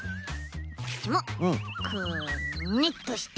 こっちもくねっとして。